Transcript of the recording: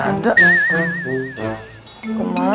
tidur dulu fak